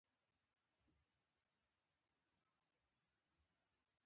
په دې سیم غځونه کې فاز سیم، صفري سیم او حفاظتي سیم شته.